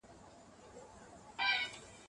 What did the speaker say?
هیڅوک حق نه لري چي د بل چا په شخصي حریم برید وکړي.